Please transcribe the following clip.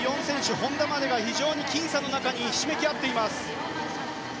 上位４選手、本多までが非常に僅差の中にひしめき合っています。